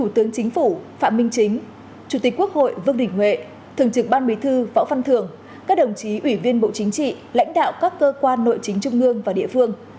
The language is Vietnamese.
tịch quốc hội vương đình huệ thường trưởng ban bí thư phó phan thường các đồng chí ủy viên bộ chính trị lãnh đạo các cơ quan nội chính trung ương và địa phương